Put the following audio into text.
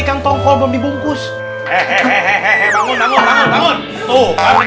itu namanya sungguh dodot kayak kering